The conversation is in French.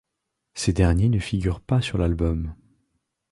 Ces derniers ne figurent pas sur l'album.